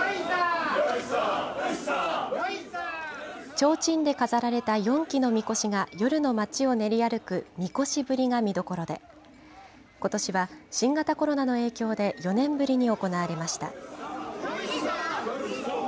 ちょうちんで飾られた４基のみこしが夜の町を練り歩く、神輿ぶりが見どころで、ことしは新型コロナの影響で４年ぶりに行われました。